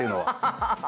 ハハハハ。